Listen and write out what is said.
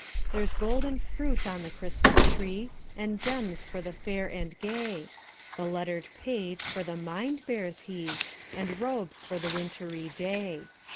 There's golden fruit on the Christmas tree, And gems for the fair and gay; The lettered page for the mind bears he, And robes for the wintry day.